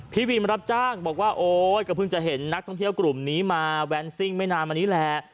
พี่วิมรับจ้างบอกว่าโอ๊ยก็เพิ่งจะเห็นนักท่องเที่ยวกลุ่มนี้มาแวนซิ่งไม่นานมานี้แหละ